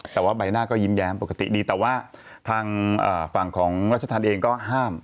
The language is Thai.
แต่ว่าใบหน้าก็ยิ้มแย้มปกติดีแต่ว่าทางฝั่งของรัชธรรมเองก็ห้าม